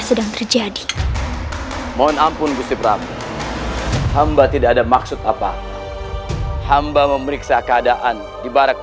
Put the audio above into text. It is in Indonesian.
sedang terjadi mohon ampun gusti pramu hamba tidak ada maksud apa hamba memeriksa keadaan di barak